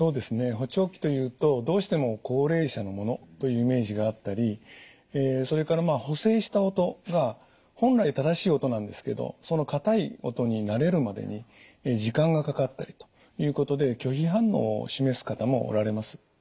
補聴器というとどうしても高齢者のものというイメージがあったりそれから補正した音が本来正しい音なんですけどその硬い音に慣れるまでに時間がかかったりということで拒否反応を示す方もおられます。